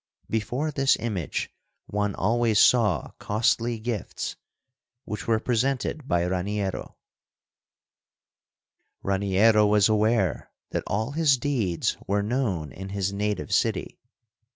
Before this image one always saw costly gifts, which were presented by Raniero. Raniero was aware that all his deeds were known in his native city.